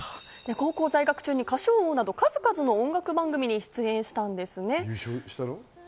高校在学中に『歌唱王』など数々の音楽番組に出演したんですよね。